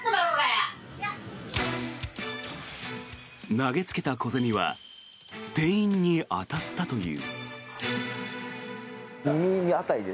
投げつけた小銭は店員に当たったという。